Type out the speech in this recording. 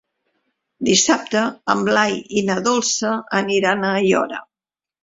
Dissabte en Blai i na Dolça aniran a Aiora.